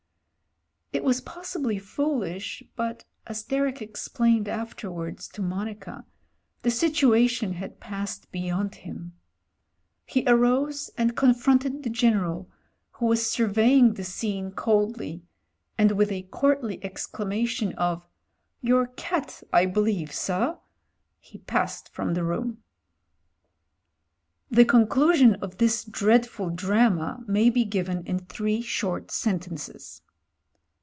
It was possibly foolish, but, as Derek explained afterwards to Monica, the situation had passed beyond him. He arose and confronted the General, who was 234 MEN, WOMEN AND GUNS surveying the scene coldly, and with a courtly excla mation of ''Your cat, I believe, sir/' he passed frcxn the room. •■••• The conclusion of this dreadful drama may be given in three short sentences.